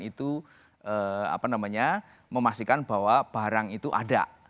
itu memastikan bahwa barang itu ada